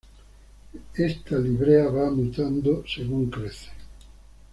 Esta librea va mutando según crece.